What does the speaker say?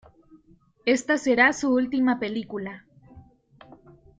Ésta será su última película.